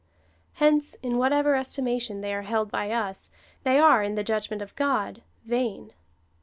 Hence, in whatever estimation they are held by us, they are, in the judgment of God, vain.